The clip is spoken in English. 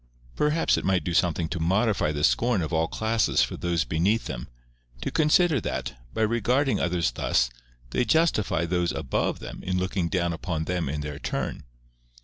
Perhaps it might do something to modify the scorn of all classes for those beneath them, to consider that, by regarding others thus, they justify those above them in looking down upon them in their turn.